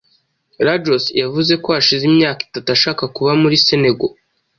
Lajos yavuze ko hashize imyaka itatu ashaka kuba muri Senegal.